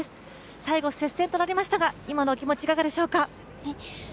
最後、接戦となりましたが、今のお気持ちはいかがでしょうか？